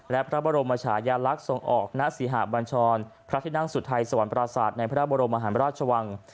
และพระบรมชายลักษณ์ส่งออกหน้าศรีหาบัญชรพระที่นั่งสุดท้ายสวรรค์ปราสาทในพระบรมอาหารราชวัง